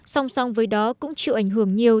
song song với đó cũng chịu ảnh hưởng nhiều